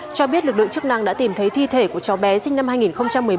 cho biết lực lượng chức năng đã tìm thấy thi thể của cháu bé sinh năm hai nghìn một mươi bảy